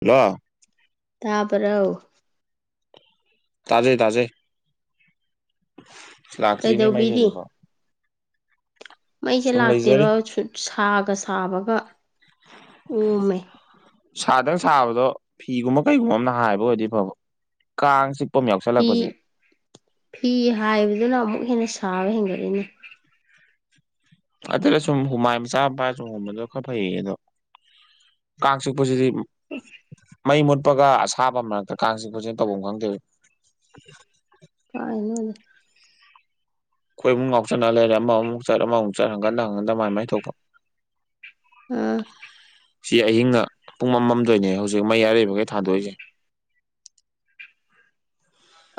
hello ꯇꯥꯕ꯭ꯔꯣ ꯇꯥꯖꯩ ꯇꯥꯖꯩ ꯂꯥꯛꯇ꯭ꯔꯤꯅꯦ ꯃꯩꯖꯦ ꯀꯩꯗꯧꯕꯤꯔꯤ ꯍꯩꯖꯤꯛꯐꯥꯎ ꯃꯩꯁꯦ ꯁꯨꯝ ꯂꯩꯖꯔꯤ ꯂꯥꯛꯇꯦꯕ ꯁꯥꯒ ꯁꯥꯕꯒ ꯑꯣꯝꯃꯦ ꯁꯥꯗꯪ ꯁꯥꯕꯗꯣ ꯐꯤꯒꯨꯝꯕ ꯀꯩꯒꯨꯝꯕ ꯑꯃꯅ ꯍꯥꯏꯕ ꯑꯣꯏꯔꯗꯤ ꯐꯕꯥ ꯀꯥꯡ ꯆꯤꯛ ꯐꯤ ꯐꯤ ꯍꯥꯏꯕꯗꯨꯅ ꯑꯃꯨꯛ ꯍꯦꯟꯅ ꯁꯥꯕ ꯍꯦꯟꯒꯠꯂꯤꯅꯦ ꯑꯗꯨꯅꯥ ꯁꯨꯝ ꯍꯨꯃꯥꯏ ꯃꯆꯥ ꯑꯃꯥ ꯄꯥꯏꯔꯥ ꯁꯨꯝ ꯍꯨꯝꯕꯥꯗꯨꯅꯥ ꯈꯔ ꯐꯩꯌꯦ ꯀꯥꯡ ꯆꯤꯛꯄꯥꯖꯤꯗꯤ ꯃꯨꯛ ꯎꯝ [inaudible] ꯃꯩ ꯃꯨꯠꯄꯥꯒ ꯑꯁꯥꯕ ꯃꯔꯛꯇꯥ ꯀꯥꯡ ꯆꯤꯛꯄꯥꯖꯤꯒꯥ ꯇꯧꯐꯝ ꯈꯪꯗꯦꯕꯥ ꯑꯩ ꯀꯥꯢꯅꯣꯗ ꯈꯣꯏ ꯏꯃꯨꯡ ꯉꯥꯎꯆꯠꯅꯥ ꯂꯩꯔꯦ ꯑꯃꯥꯃꯨꯛ ꯆꯠ ꯑꯃꯥꯃꯨꯛ ꯆꯠ ꯍꯪꯒꯠ ꯍꯟꯗꯥ ꯍꯪꯒꯠ ꯍꯟꯗꯥ ꯃꯥꯏ ꯃꯥꯏ ꯊꯣꯛꯄꯥ ꯎꯝ ꯁꯤ ꯑꯍꯤꯡꯅ ꯄꯨꯡ ꯑꯃꯃꯝꯗꯣꯏꯅꯦ ꯍꯧꯖꯤꯛ ꯃꯔꯩꯕꯉꯩ ꯊꯥꯟꯗꯣꯛꯏꯁꯦ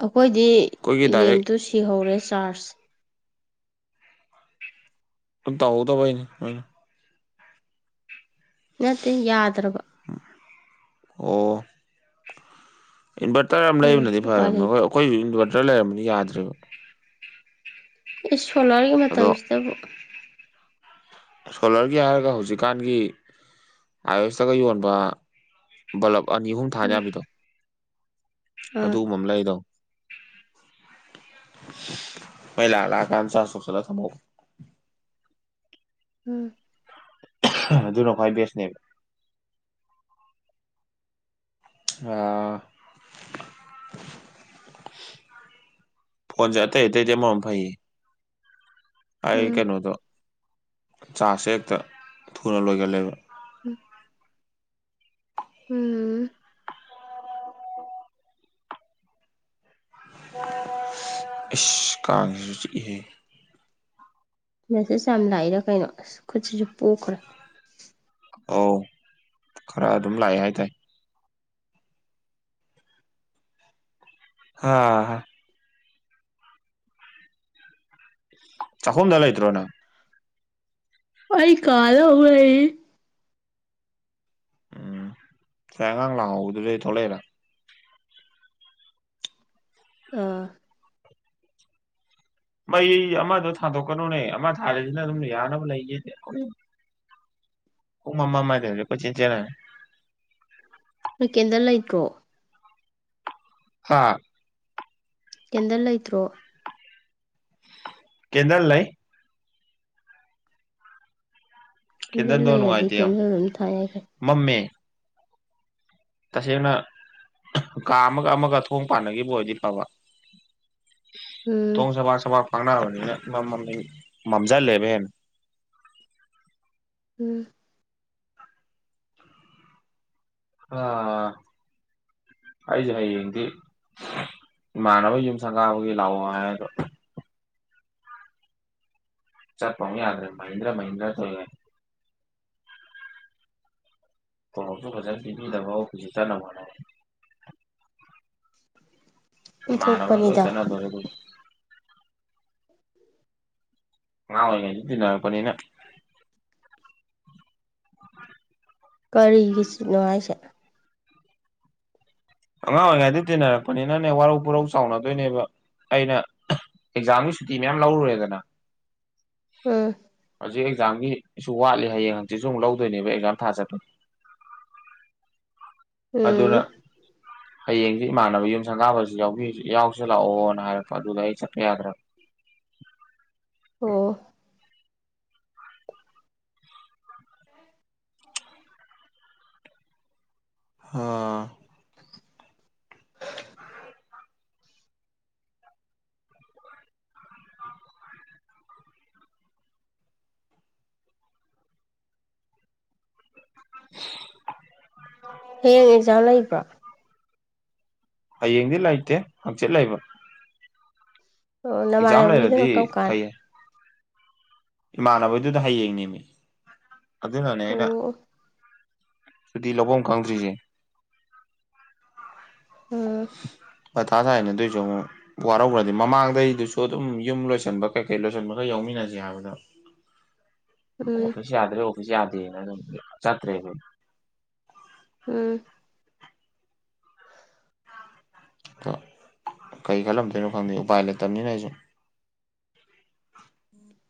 ꯑꯩꯈꯣꯏꯗꯤ ꯑꯩꯈꯣꯏꯒꯤ ꯗꯥꯏꯔꯦꯛ ꯂꯦꯝꯇꯨ ꯁꯤꯍꯧꯔꯦ ꯆꯥꯔꯖ [unintelligible] ꯑꯩꯅ ꯅꯠꯇꯦ ꯌꯥꯗ꯭ꯔꯕ ꯑꯣ ꯏꯟꯚꯔꯇꯔ ꯑꯃ ꯎꯝ ꯂꯩꯕꯅꯗꯤ ꯎꯄꯥꯏ ꯐꯔꯕꯅꯤ ꯑꯩꯈꯣꯏ ꯂꯩꯇꯦ ꯑꯩꯈꯣꯏꯁꯨ ꯏꯟꯚꯔꯇꯔ ꯂꯩꯔꯝꯕꯅꯤ ꯌꯥꯗ꯭ꯔꯦꯕ ꯏꯁ ꯁꯣꯂꯥꯔꯒꯤ ꯑꯗꯣ ꯃꯇꯝꯁꯤꯗꯕꯨ ꯁꯣꯂꯔꯒꯤ ꯍꯥꯏꯔꯒ ꯍꯧꯖꯤꯛꯀꯥꯟꯒꯤ ꯑꯌꯁꯇꯒ ꯌꯣꯟꯕ ꯕꯂꯞ ꯑꯅꯤ ꯑꯍꯨꯝ ꯊꯥꯟ ꯎꯝ ꯌꯥꯕꯤꯗꯣ ꯑꯥ ꯑꯗꯨꯒꯨꯝꯕ ꯑꯃ ꯂꯩꯗꯧꯅꯤ ꯃꯩ ꯂꯥꯛ ꯂꯥꯛꯒꯥꯟꯗ ꯆꯥꯁꯆ ꯇꯧꯁꯤꯟꯂ ꯊꯥꯝꯍꯞꯒꯗꯥꯝꯅꯤ ꯎꯝ ꯑꯗꯨꯅ ꯈꯣꯏ ꯕꯦꯁꯅꯦꯕ ꯍꯥ ꯐꯣꯟꯁꯦ ꯑꯇꯩ ꯑꯇꯩꯗꯤ ꯑꯃꯔꯣꯝ ꯐꯩꯌꯦ ꯑꯩ ꯎꯝ ꯀꯩꯅꯣꯗꯣ ꯆꯥꯔꯁꯦ ꯍꯦꯛꯇ ꯊꯨꯅ ꯂꯣꯏꯒꯜꯂꯦꯕ ꯎꯝ ꯎꯝ ꯢꯁ ꯀꯥꯡꯁꯤꯁꯨ ꯆꯤꯛꯢꯍꯦ ꯃꯦꯁꯦꯁ ꯌꯥꯝ ꯂꯥꯛꯏꯔ ꯀꯩꯅꯣ ꯑꯁ ꯈꯨꯠꯁꯤꯁꯨ ꯄꯣꯛꯈ꯭ꯔꯦ ꯑꯧ ꯈꯔ ꯑꯗꯨꯝ ꯂꯥꯛꯑꯦ ꯍꯥꯏꯇꯥꯥꯏ ꯍꯥ ꯆꯥꯛꯈꯨꯝꯗ ꯂꯩꯇ꯭ꯔꯣ ꯅꯪ ꯑꯩ ꯀꯥꯗ ꯑꯃꯨꯛ ꯂꯩꯔꯤ ꯁꯥꯏ ꯑꯉꯥꯡ ꯂꯥꯛꯍꯧꯕꯗꯨꯗꯩ ꯊꯣꯛꯂꯛꯏꯔꯥ ꯑꯥ ꯃꯩ ꯑꯃꯗꯣ ꯊꯥꯗꯣꯛꯀꯅꯨꯅꯦ ꯑꯃ ꯊꯥꯟꯂꯤꯗꯨꯅ ꯑꯗꯨꯝ ꯌꯥꯅꯕ ꯂꯩꯒꯦꯗꯦ ꯄꯨꯡ ꯑꯝꯃꯃꯗꯩꯗꯤ ꯀꯣꯏꯆꯦꯟ ꯆꯦꯜꯂꯦ ꯅꯣꯏ ꯀꯦꯟꯗꯥꯜ ꯂꯩꯇ꯭ꯔꯣ ꯍꯥꯥ ꯀꯦꯟꯗꯜ ꯂꯩꯇ꯭ꯔꯣ ꯀꯦꯟꯗꯜ ꯂꯩ ꯀꯦꯟꯗꯜ ꯀꯦꯟꯗꯜꯗꯣ ꯂꯩꯔꯗꯤ ꯅꯨꯡꯉꯥꯏꯇꯦ ꯌꯥꯝ ꯀꯦꯟꯗꯜ ꯑꯗꯨꯝ ꯊꯥꯌꯥꯏ ꯀꯩꯅꯣ ꯃꯝꯃꯦ ꯇꯁꯦꯡꯅ ꯀꯥ ꯑꯃꯒ ꯑꯃꯒ ꯊꯣꯡ ꯄꯥꯟꯅꯒꯤꯕ ꯑꯣꯏꯔꯗꯤ ꯐꯕ ꯎꯝ ꯊꯣꯡ ꯁꯕꯥꯛ ꯁꯕꯥꯛ ꯐꯛꯅꯕꯅꯤꯅ ꯃꯝꯃꯅꯤꯅ ꯃꯝꯖꯤꯜꯂꯦꯕ ꯍꯦꯟꯅ ꯎꯝ ꯍꯥꯑꯥ ꯑꯩꯖꯦ ꯍꯌꯦꯡꯗꯤ ꯏꯃꯥꯟꯅꯕꯒꯤ ꯌꯨꯝ ꯁꯪꯒꯥꯕꯒꯤ ꯂꯥꯛꯑꯣ ꯍꯥꯏ ꯑꯗꯣ ꯆꯠꯄꯥꯎ ꯑꯃꯨꯛ ꯌꯥꯗ꯭ꯔꯦ ꯃꯍꯤꯟꯗ꯭ꯔꯥ ꯃꯍꯤꯟꯗ꯭ꯔꯥ ꯇꯧꯋꯤꯉꯩꯗ ꯀꯣꯂꯣꯞꯁꯨ ꯐꯖꯅ ꯄꯤꯕꯤꯗꯕ ꯑꯣꯐꯤꯁꯁꯨ ꯆꯠꯅꯕ ꯍꯣꯠꯅꯕ ꯏꯃꯥꯟꯅꯕ ꯂꯣꯏꯅ ꯑꯣꯟꯊꯣꯛꯄꯅꯤꯗ ꯆꯠꯅꯗꯣꯔꯦ ꯑꯉꯥꯡ ꯑꯣꯏꯔꯤꯉꯩꯗꯩ ꯇꯤꯟꯅꯔꯛꯄꯅꯤꯅ [inaudible] ꯀꯔꯤꯒꯤ ꯁꯤꯠꯅꯣ ꯍꯥꯏꯁꯦ ꯑꯉꯥꯡ ꯑꯣꯏꯔꯤꯉꯩꯗ ꯇꯤꯟꯅꯔꯛꯄꯅꯤꯅꯅꯦ ꯋꯥꯔꯧ ꯄꯨꯔꯧ ꯆꯥꯎꯅꯗꯣꯏꯅꯦꯕ ꯑꯩꯅ ꯑꯦꯛꯖꯥꯝꯒꯤ ꯁꯨꯇꯤ ꯃꯌꯥꯝ ꯂꯧꯔꯨꯔꯦꯗꯅ ꯑꯥ ꯍꯧꯖꯤꯛ ꯑꯦꯛꯖꯥꯝꯒꯤꯁꯨ ꯋꯥꯠꯂꯤ ꯍꯌꯦꯡ ꯍꯥꯡꯆꯤꯠꯁꯨ ꯑꯃꯨꯛ ꯂꯧꯗꯣꯏꯅꯦꯕ ꯑꯦꯛꯖꯥꯝ ꯊꯥ ꯆꯠꯄꯒꯤ ꯎꯝ ꯑꯗꯨꯅ ꯍꯌꯦꯡꯁꯦ ꯏꯃꯥꯟꯅꯕ ꯌꯨꯝ ꯁꯪꯒꯥꯕꯁꯨ ꯌꯥꯎꯕꯤ ꯌꯥꯎꯁꯤ ꯂꯥꯛꯑꯣꯅ ꯍꯥꯏꯔꯛꯄ ꯑꯗꯨꯗ ꯑꯩ ꯆꯠꯄ ꯌꯥꯗ꯭ꯔꯕ ꯑꯣ ꯍꯥ [unintelligible] ꯍꯌꯦꯡ ꯑꯦꯛꯖꯥꯝ ꯂꯩꯕ꯭ꯔꯣ ꯍꯌꯦꯡꯗꯤ ꯂꯩꯇꯦ ꯍꯥꯡꯆꯤꯠ ꯂꯩꯕ ꯑꯣ ꯑꯦꯛꯖꯥꯝ ꯂꯩꯔꯗꯤ ꯅꯃꯥꯟꯅꯕꯒꯤꯗꯨꯅ ꯀꯝ ꯀꯥꯟ ꯏꯃꯥꯟꯅꯕꯗꯨꯅ ꯍꯌꯦꯡꯅꯦꯃꯤ ꯑꯗꯨꯅꯅꯦ ꯑꯩꯅ ꯑꯣ ꯁꯨꯇꯤ ꯂꯧꯕꯝ ꯈꯪꯗ꯭ꯔꯤꯁꯦ ꯑꯣ ꯃꯊꯥ ꯁꯥꯏꯅ ꯑꯗꯨꯏꯁꯨ ꯑꯃꯨꯛ ꯋꯥꯔꯧꯒ꯭ꯔꯗꯤ ꯃꯃꯥꯡꯗ ꯑꯩꯗꯨꯁꯨ ꯑꯗꯨꯝ ꯌꯨꯝ ꯂꯣꯏꯁꯤꯟꯕ ꯀꯩ ꯀꯩ ꯂꯣꯏꯁꯤꯟꯕ ꯈꯔ ꯌꯥꯎꯃꯤꯟꯅꯁꯤ ꯍꯥꯏꯕꯗ [inaudible] ꯎꯝ ꯌꯥꯗ꯭ꯔꯥ ꯑꯣꯐꯤꯁ ꯌꯥꯗꯦꯅ ꯑꯗꯨꯝ ꯆꯠꯇ꯭ꯔꯦꯕ ꯎꯝ ꯑꯗꯣ ꯀꯔꯤ ꯈꯜꯂꯝꯗꯣꯏꯅꯣ ꯈꯪꯗꯦ ꯎꯄꯥꯏ ꯂꯩꯇꯕꯅꯤꯅ ꯑꯩꯁꯨ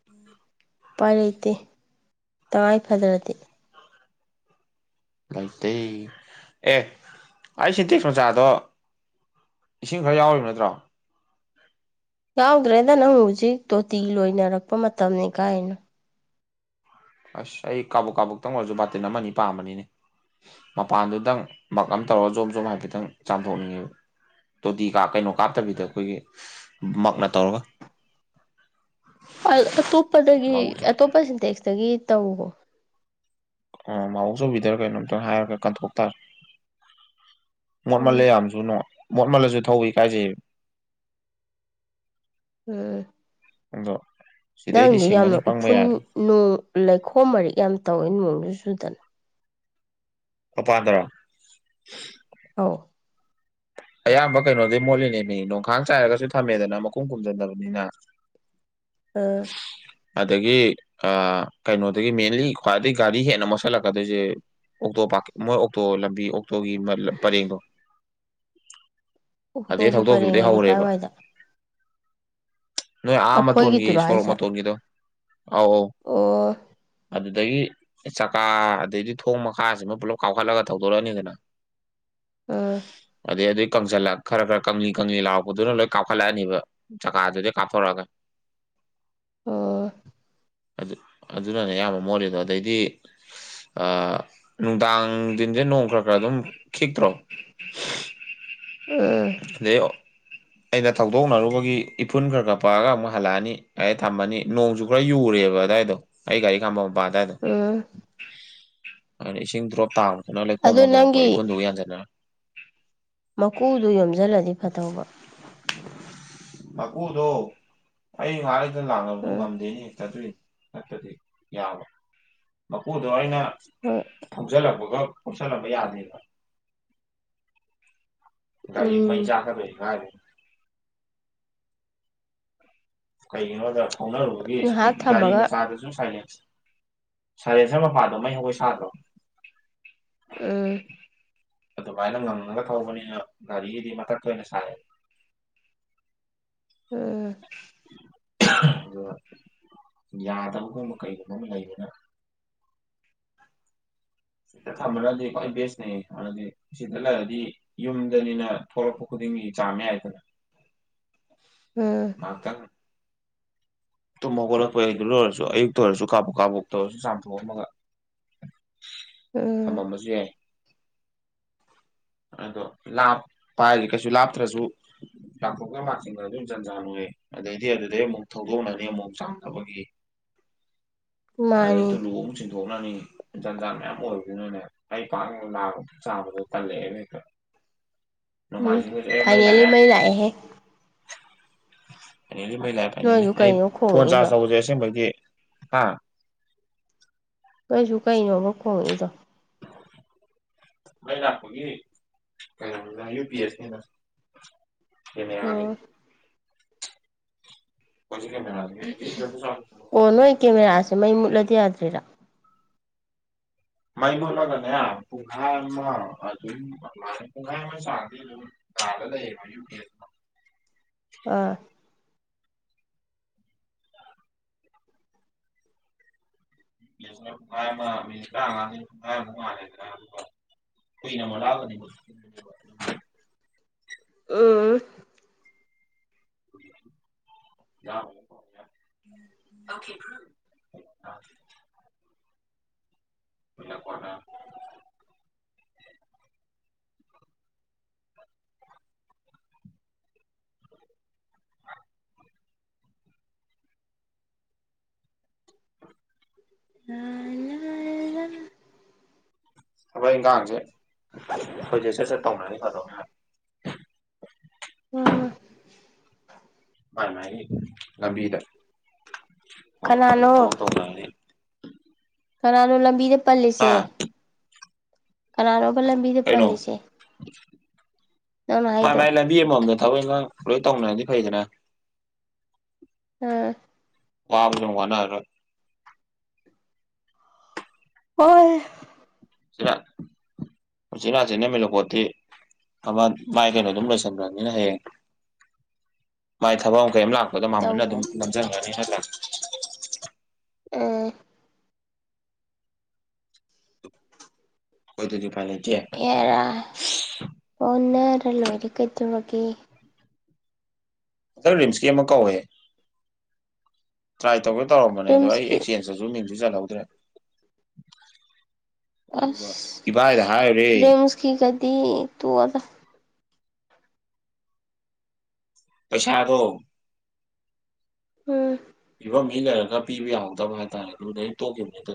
ꯎꯝ [inaudible] ꯎꯄꯥꯏ ꯂꯩꯇꯦ ꯇꯉꯥꯏꯐꯗ꯭ꯔꯗꯤ ꯂꯩꯇꯦ ꯑꯦ ꯑꯩ ꯁꯤꯟꯇꯦꯛꯁ ꯃꯆꯥꯗꯣ ꯏꯁꯤꯡ ꯈꯔ ꯌꯥꯎꯔꯤꯕ ꯅꯠꯇ꯭ꯔꯣ ꯌꯥꯎꯗ꯭ꯔꯦꯗ ꯅꯪ ꯍꯧꯖꯤꯛ ꯇꯣꯇꯤ ꯂꯣꯏꯅꯔꯛꯄ ꯃꯇꯝꯅꯤ ꯀꯥꯏꯗꯩꯅꯣ ꯑꯁ ꯑꯩ ꯀꯥꯕꯣꯛ ꯀꯥꯕꯣꯛꯇꯪ ꯑꯣꯏꯔꯁꯨ ꯕꯥꯇꯤꯟ ꯑꯃ ꯑꯅꯤ ꯄꯥꯝꯕꯅꯤꯅꯦ ꯃꯄꯥꯟꯗꯨꯗꯪ ꯃꯛ ꯑꯃ ꯇꯧꯔꯒ ꯖꯣꯕ ꯖꯣꯕ ꯍꯥꯏꯐꯦꯠꯇꯪ ꯆꯥꯝꯊꯣꯛꯅꯤꯡꯉꯦꯕ ꯇꯣꯇꯤ ꯀꯥꯞ ꯀꯩꯅꯣ ꯀꯥꯞꯇꯕꯤꯗ ꯑꯩꯈꯣꯏꯒꯤ ꯃꯛꯅ ꯇꯧꯔꯒ ꯑꯇꯣꯞꯄꯗꯒꯤ ꯃꯥꯕꯣꯛ ꯑꯇꯣꯞꯄ ꯁꯤꯟꯇꯦꯛꯁꯇꯒꯤ ꯇꯧꯑꯣ ꯑꯣ ꯃꯥꯕꯣꯛ ꯆꯧꯕꯤꯗꯔ ꯀꯩꯅꯣꯝꯇꯪ ꯍꯥꯏꯔꯒ ꯀꯟꯊꯣꯛ ꯇꯥꯔꯦ ꯃꯣꯠꯃꯜꯂꯦ ꯎꯝ ꯌꯥꯝꯁꯨ ꯃꯣꯠꯃꯜꯂꯁꯨ ꯊꯧꯕ ꯏꯀꯥꯏꯖꯩꯕ ꯎꯝ ꯑꯗꯣ ꯁꯤꯗꯩꯗꯤ ꯅꯪꯗꯣ ꯌꯥꯝꯅ ꯁꯤꯡꯉꯅꯤ ꯄꯪꯕ ꯎꯐꯨꯟ ꯌꯥꯗꯦ ꯅꯣꯡ ꯂꯩꯈꯣꯝ ꯃꯔꯤꯛ ꯌꯥꯝ ꯇꯧꯋꯦ ꯅꯣꯡꯁꯨ ꯆꯨꯗꯅ ꯃꯄꯥꯥꯟꯗꯔꯣ ꯑꯧ ꯑꯌꯥꯝꯕ ꯀꯩꯅꯣꯗꯤ ꯃꯣꯠꯂꯤꯅꯦ ꯃꯤ ꯅꯣꯡꯈꯥꯡ ꯆꯥꯏꯔꯒꯁꯨ ꯊꯝꯃꯦꯗꯅ ꯃꯈꯨꯝ ꯈꯨꯝꯖꯟꯗꯕꯅꯤꯅ ꯎꯝ [inaudible] ꯎꯝ ꯑꯗꯒꯤ ꯑ ꯀꯩꯅꯣꯗꯒꯤ ꯃꯦꯟꯂꯤ ꯈ꯭ꯋꯥꯏꯗꯒꯤ ꯒꯥꯔꯤ ꯍꯦꯟꯅ ꯃꯣꯠꯁꯤꯜꯂꯛ ꯀꯗꯣꯏꯁꯦ ꯑꯣꯛꯇꯣ ꯃꯣꯏ ꯑꯣꯛꯇꯣ ꯂꯝꯕꯤ ꯑꯣꯛꯇꯣꯒꯤ ꯄꯔꯦꯡꯗꯣ ꯑꯗꯩ ꯑꯣꯛꯇꯣꯛꯒꯤ ꯄꯔꯦꯡ ꯊꯧꯗꯣꯛꯈꯤꯕꯗꯩ ꯍꯥꯏꯗꯤ ꯍꯧꯔꯦꯕ ꯀꯥꯏꯋꯥꯏꯗ ꯅꯣꯏ ꯑꯥ ꯃꯇꯣꯟꯒꯤ ꯑꯩꯈꯣꯏꯒꯤꯗꯨꯔꯣ ꯁꯣꯔꯣꯛ ꯍꯥꯏꯁꯦ ꯃꯇꯣꯟꯒꯤꯗꯣ ꯑꯧ ꯑꯧ ꯑꯣ ꯑꯗꯨꯗꯤ ꯑꯗꯒꯤ ꯆꯥꯛꯀꯥ ꯑꯗꯩꯗꯤ ꯊꯣꯡ ꯃꯈꯥꯁꯤꯃ ꯄꯨꯂꯞ ꯀꯥꯞꯈꯠꯂꯒ ꯊꯧꯗꯣꯔꯛꯑꯅꯤꯗꯅ ꯎꯝ ꯑꯗꯩ ꯑꯗꯨꯒꯤ ꯀꯪꯁꯤꯜꯂ ꯈꯔ ꯈꯔ ꯀꯪꯂꯤ ꯀꯪꯂꯤ ꯂꯥꯎꯔꯛꯄꯗꯨꯅ ꯂꯣꯏ ꯀꯥꯞꯈꯠꯂꯛꯑꯅꯦꯕ ꯆꯥꯛꯀꯥꯗꯨꯗꯩ ꯀꯥꯞꯊꯣꯔꯛꯑꯒ ꯎꯝ ꯑꯗꯨ ꯑꯗꯨꯅꯅꯦ ꯑꯌꯥꯝꯕ ꯃꯣꯠꯂꯤꯗꯣ ꯑꯗꯩꯗꯤ ꯑ ꯅꯨꯡꯗꯥꯡꯁꯤꯡꯁꯦ ꯅꯣꯡ ꯈꯔ ꯈꯔ ꯑꯗꯨꯝ ꯈꯤꯛꯇ꯭ꯔꯣ ꯎꯝ ꯑꯗꯩ ꯑꯩꯅ ꯊꯧꯗꯣꯛꯅꯔꯨꯕꯒꯤ ꯏꯐꯨꯟ ꯈꯔ ꯈꯔ ꯄꯛꯑꯒ ꯑꯃꯨꯛ ꯍꯜꯂꯛꯑꯅꯤ ꯑ ꯊꯝꯃꯅꯤ ꯅꯣꯡꯁꯨꯨ ꯈꯔ ꯌꯨꯔꯦꯕ ꯑꯗꯨꯋꯥꯏꯗꯣ ꯑꯩ ꯒꯥꯔꯤ ꯈꯥꯝꯕ ꯃꯄꯥ ꯑꯗꯨꯋꯥꯏꯗꯣ ꯎꯝ ꯑꯗꯨꯅ ꯏꯁꯤꯡ ꯗ꯭ꯔꯣꯞ ꯇꯥꯕꯗꯅ ꯂꯩꯈꯣꯝ ꯑꯗꯨ ꯑꯣꯟꯗꯣꯔꯛꯄ ꯅꯪꯒꯤ ꯏꯐꯨꯟꯗꯣ ꯌꯥꯟꯁꯤꯟꯅꯔ ꯃꯀꯨꯗꯣ ꯌꯣꯝꯁꯤꯜꯂꯗꯤ ꯐꯇꯧꯕ ꯃꯒꯨꯗꯣ ꯑꯩꯅ ꯂꯥꯛꯕꯗꯣ ꯎꯝ ꯉꯝꯗꯦꯅꯦ ꯍꯦꯛꯇ ꯑꯗꯨꯏ ꯅꯠꯇꯗꯤ ꯌꯥꯕ ꯃꯄꯨꯗꯣ ꯑꯩꯅ ꯍꯣꯏ ꯊꯧꯆꯜꯂꯛꯄꯒ ꯐꯣꯆꯜꯂꯛꯄꯒ ꯌꯥꯗꯦꯕ ꯒꯥꯔꯤ ꯎꯝ ꯃꯩ ꯆꯥꯛꯒꯗꯨꯢꯅꯦ ꯀꯥꯢꯗꯩꯅꯣ ꯀꯩꯒꯤꯅꯣꯗ ꯊꯥꯎꯅꯔꯨꯕꯒꯤ ꯉꯥꯏꯍꯥꯛ ꯒꯥꯔꯤ ꯊꯝꯃꯒ ꯃꯆꯥꯗ ꯁꯨꯝ ꯁꯥꯏꯂꯦꯟꯁ ꯁꯔꯦꯟꯁ꯭ꯔ ꯃꯄꯥꯗꯣ ꯃꯩ ꯍꯧꯉꯩꯢ ꯁꯥꯗ꯭ꯔꯣ ꯎꯝ ꯑꯗꯨꯃꯥꯏꯅ ꯉꯡꯉꯒ ꯊꯧꯕꯅꯤꯅ ꯒꯥꯔꯤꯒꯤꯗꯤ ꯃꯊꯛꯇꯣꯏꯅ ꯁꯥꯏ ꯎꯝ ꯑꯗꯣ ꯌꯥꯗꯕꯒꯨꯝꯕ ꯀꯩꯒꯨꯝꯕ ꯑꯃ ꯂꯩꯕꯅ ꯊꯝꯕꯅꯗꯤ ꯈ꯭ꯋꯥꯏ ꯕꯦꯁꯅꯦ [unintelligible] ꯁꯤ ꯂꯩꯔꯗꯤ ꯌꯨꯝꯗꯅꯤꯅ ꯊꯣꯛꯔꯛꯄ ꯈꯨꯗꯤꯡꯒꯤ ꯆꯥꯝꯃ ꯌꯥꯏꯗꯅ [unintelligible] ꯎꯝ ꯉꯥꯛꯇꯪ ꯇꯨꯝ ꯍꯧꯒꯠꯂꯛꯄꯩꯗꯨꯗ ꯑꯣꯏꯔꯁꯨ ꯑꯌꯨꯛꯇ ꯑꯣꯏꯔꯁꯨ ꯀꯥꯕꯣꯛ ꯀꯥꯕꯣꯛꯇ ꯑꯣꯏꯔꯁꯨ ꯆꯥꯝꯊꯣꯛꯑꯝꯃꯒ [unintelligible] ꯎꯝ ꯊꯝꯃꯝꯃꯁꯨ ꯌꯥꯏ ꯑꯗꯣ ꯂꯥꯞꯄ ꯍꯥꯏꯖꯦ ꯀꯩꯁꯨ ꯂꯥꯞꯇ꯭ꯔꯁꯨ [unintelligible] ꯖꯟꯖꯥꯟ ꯑꯣꯏ ꯑꯗꯩꯗꯤ ꯑꯗꯨꯗꯩ ꯑꯃꯨꯛ ꯊꯧꯗꯣꯛꯅꯅꯤ ꯑꯃꯛ ꯆꯥꯝꯅꯕꯒꯤ ꯑꯗꯩ ꯃꯥꯅꯤ ꯇꯨꯂꯨ ꯑꯃꯨ ꯆꯤꯟꯊꯣꯛꯅꯅꯤ ꯖꯟꯖꯥꯟ ꯃꯌꯥꯝ ꯑꯣꯏꯕꯗꯨꯅꯅꯦ ꯑꯩ [unintelligible] ꯆꯥꯝꯕꯗꯣ ꯇꯜꯂꯛꯑꯦꯕ ꯍꯦꯛꯇ ꯎꯝ ꯅꯣꯡꯃꯥꯏꯖꯤꯛ ꯒꯁꯦ ꯑꯦ ꯃꯩ ꯐꯥꯏꯅꯦꯜꯂꯤ ꯂꯥꯛꯑꯦ ꯂꯥꯛꯑꯦꯍꯦ ꯐꯥꯏꯅꯦꯜꯂꯤ ꯃꯩ ꯂꯥꯛꯑꯦ ꯐꯥꯏꯅꯦꯜꯂꯤ ꯅꯣꯏꯁꯨ ꯑꯩ ꯀꯩꯅꯣ ꯐꯣꯟ ꯆꯥꯔꯖ ꯈꯣꯡꯉꯛꯏꯗꯣ ꯇꯧꯕꯁꯦ ꯑꯁꯦꯡꯕꯗꯤ ꯍꯥ ꯅꯣꯏꯖꯨ ꯀꯩꯅꯣ ꯑꯃ ꯈꯣꯡꯉꯛꯏꯗꯣ ꯃꯩ ꯂꯥꯛꯄꯒꯤ ꯀꯩꯅꯣꯅꯤꯗ ꯌꯨ ꯄꯤ ꯑꯦꯁꯅꯤꯗ ꯀꯦꯃꯦꯔꯥ ꯒꯤ ꯑꯣ [unintelligible] ꯑꯣ ꯅꯣꯏ ꯀꯦꯃꯦꯔꯥꯁꯦ ꯃꯩ ꯃꯨꯠꯂꯗꯤ ꯌꯥꯗ꯭ꯔꯤꯔꯥ ꯃꯩ ꯃꯨꯠꯂꯒꯅꯦ ꯄꯨꯡꯈꯥꯏ ꯑꯃ ꯑꯗꯨꯝ ꯑꯗꯨꯃꯥꯏ ꯄꯨꯡꯈꯥꯏ ꯑꯃ ꯆꯥꯡꯗꯤ ꯑꯗꯨꯝ ꯀꯥꯗ ꯂꯩꯌꯦꯕ ꯌꯨ ꯄꯤ ꯑꯦꯁꯇꯣ ꯑꯥ [unintelligible] [unintelligible] ꯎꯝ [unintelligible] [unintelligible] [unintelligible] [unintelligible] ꯊꯕꯥꯛ ꯏꯟꯒꯥꯡꯖꯦ ꯑꯩꯈꯣꯏꯖꯦ ꯁꯠ ꯁꯠ ꯇꯧꯅꯔꯗꯤ ꯐꯗꯧꯅꯦ ꯍꯥꯏ ꯎꯝ ꯃꯥꯏ ꯃꯥꯏꯒꯤ ꯂꯝꯕꯤꯗ ꯑꯃꯃꯝꯅ ꯀꯅꯥꯅꯣ ꯊꯕꯛ ꯇꯧꯅꯔꯗꯤ ꯀꯅꯥꯅꯣ ꯂꯝꯕꯤꯗ ꯄꯜꯂꯤꯁꯦ ꯑꯥ ꯀꯅꯥꯅꯣꯕ ꯂꯝꯕꯤꯗ ꯀꯩꯅꯣ ꯄꯜꯂꯤꯁꯦ ꯅꯪꯅ ꯍꯥꯏꯗꯣ ꯄꯤ ꯑꯃꯃꯝꯗ ꯊꯕꯛ ꯏꯪꯒꯥꯡ ꯂꯣꯏ ꯇꯧꯅꯔꯗꯤ ꯐꯩꯗꯅ ꯑꯥ ꯋꯥꯕꯖꯨ ꯑꯝ ꯋꯥꯅꯔꯥꯔꯣꯏ ꯋꯥꯏꯍꯦ [unintelligible] ꯎꯆꯤꯟ ꯅꯥꯆꯤꯟꯅ [unintelligible] ꯇꯤ ꯑꯃ ꯃꯥꯏ ꯀꯩꯅꯣꯗꯨꯝꯃ ꯂꯣꯏꯁꯟꯒ꯭ꯔꯅꯤꯅ ꯍꯌꯦꯡ ꯃꯥꯏ ꯊꯕꯛ ꯑꯃ ꯀꯩꯝ ꯂꯥꯛ ꯗ ꯃꯝꯍꯟꯅ ꯑꯗꯨꯝ ꯇꯧꯒ꯭ꯔꯅꯤ ꯅꯝꯖꯟꯒ꯭ꯔꯅꯤ ꯅꯠꯇ꯭ꯔꯥ ꯎꯝ ꯍꯣꯏ ꯗꯨꯗꯤ ꯎꯄꯥꯏ ꯂꯩꯇꯦ ꯍꯦꯔꯥ ꯍꯣꯟꯅꯔ ꯂꯣꯏꯔꯦ ꯀꯩꯗꯧꯔꯒꯦ ꯍꯟꯗꯛ ꯔꯤꯝꯁꯀꯤ ꯑꯃ ꯀꯧꯋꯦ ꯇ꯭ꯔꯥꯏ ꯇꯧꯒꯦ ꯇꯧꯔꯝꯕꯅꯦ ꯑꯗꯣ ꯑꯩ ꯔꯤꯝꯁꯀꯤ ꯑꯦꯛꯆꯦꯟꯖꯇꯖꯨ ꯃꯤꯡꯁꯨ ꯆꯜꯍꯧꯗ꯭ꯔꯦ ꯑꯗꯨꯒ ꯏꯕꯥꯏꯗ ꯍꯥꯏꯔꯨꯔꯦ ꯐꯤꯒꯗꯤ ꯇꯨꯑꯣꯗ ꯄꯩꯁꯥꯗꯣ ꯎꯝ [unintelligible] ꯄꯤꯕ ꯌꯥꯎꯗꯕ ꯍꯥꯏꯇꯥꯔꯦ ꯑꯗꯨꯗꯩ ꯇꯣꯛꯈꯤꯕꯅꯤ ꯍꯥꯏꯇ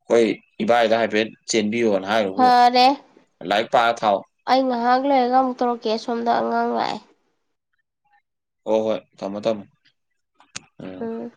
ꯑꯩꯈꯣꯏ ꯏꯕꯥꯏꯗ ꯍꯥꯏꯐꯦꯠ ꯆꯦꯟꯕꯤꯌꯣꯅ ꯍꯥꯏꯔꯕꯨ ꯐꯔꯦ ꯂꯥꯏꯔꯤꯛ ꯄꯥꯔ ꯊꯥꯎ ꯑꯩ ꯉꯥꯏꯍꯥꯛ ꯂꯩꯏꯔꯒ ꯑꯃꯨꯛ ꯇꯧꯔꯛꯀꯦ ꯑꯁꯣꯝꯗ ꯑꯉꯥꯡ ꯂꯥꯛꯑꯦ ꯍꯣ ꯍꯣꯏ ꯊꯝꯃꯣ ꯊꯝꯃꯣ ꯎꯝ